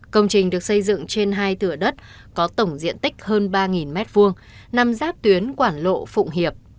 công trình được xây dựng trên hai thửa đất có tổng diện tích hơn ba m hai nằm giáp tuyến quảng lộ phụng hiệp